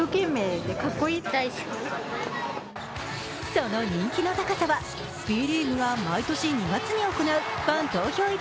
その人気の高さは、Ｂリーグが毎年２月に行うモテ男